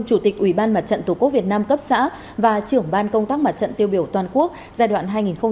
chủ tịch ủy ban mặt trận tổ quốc việt nam cấp xã và trưởng ban công tác mặt trận tiêu biểu toàn quốc giai đoạn hai nghìn một mươi chín hai nghìn hai mươi bốn